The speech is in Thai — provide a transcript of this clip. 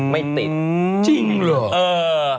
ไม่ติดจริงเหรอเออ